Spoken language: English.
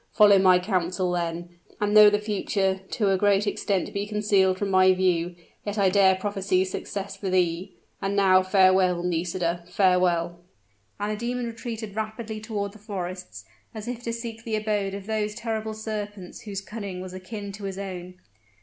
Follow my counsel, then and, though the future to a great extent be concealed from my view, yet I dare prophesy success for thee! And now farewell, Nisida farewell!" And the demon retreated rapidly toward the forests, as if to seek the abode of those terrible serpents whose cunning was akin to his own.